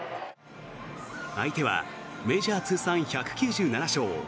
相手はメジャー通算１９７勝